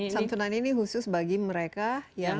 santunan ini khusus bagi mereka yang